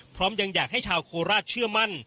พร้อมยังอยากให้ชาวโคราชเชื่อมั่น